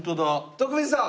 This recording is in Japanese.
徳光さん！